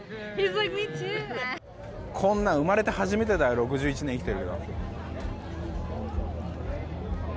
こんなの生まれて初めてだよ、６１年生きて。